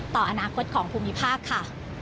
ต่ออนาคตของภูมิภาคค่ะ